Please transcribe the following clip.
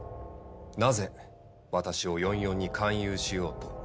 なぜ私を４４に勧誘しようと？